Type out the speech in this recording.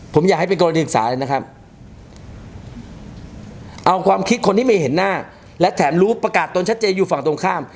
ผมอยากให้เป็นกรณีศึกษาเลยนะครับเอาความคิดคนที่ไม่เห็นหน้าและแถมรู้ประกาศตนชัดเจนอยู่ฝั่งตรงข้าม